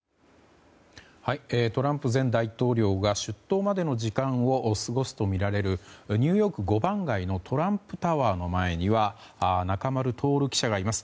トランプ前大統領が出頭までの時間を過ごすとみられるニューヨーク５番街のトランプタワーの前には中丸徹記者がいます。